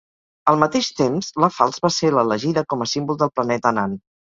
Al mateix temps, la falç va ser l'elegida com a símbol del planeta nan.